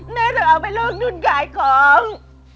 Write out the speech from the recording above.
แม่จะเอาไปโลกนุ่นกายของ